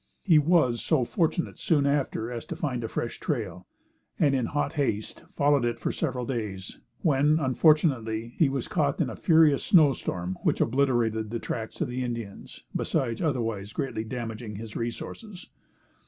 He was so fortunate soon after as to find a fresh trail, and in hot haste followed it for several days, when, unfortunately, he was caught in a furious snow storm which obliterated the tracks of the Indians, besides otherwise greatly damaging his resources.